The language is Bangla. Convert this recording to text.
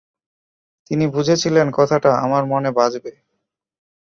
তিনি বুঝেছিলেন কথাটা আমার মনে বাজবে।